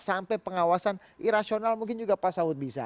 sampai pengawasan irasional mungkin juga pak saud bisa